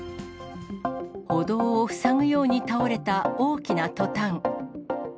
歩道を塞ぐように倒れた大きなトタン。